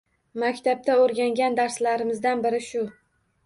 Maktabda oʻrgangan darslarimizdan biri shu.